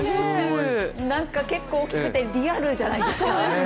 なんか結構大きくてリアルじゃないですか。